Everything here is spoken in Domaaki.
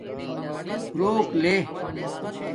روک لے